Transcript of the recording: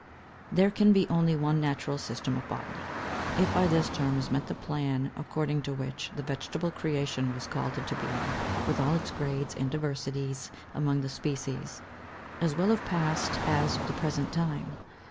551. There can be only one natural system of botany, if by this term is meant the plan according to which the vegetable creation was called into being, with all its grades and diversities among the species, as well of past as of the present time.